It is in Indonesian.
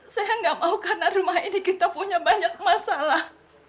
saya nggak mau karena rumah ini kita punya banyak masalah